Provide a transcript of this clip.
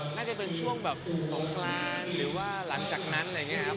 น่าจะเป็นช่วงแบบสงกรานหรือว่าหลังจากนั้นอะไรอย่างนี้ครับ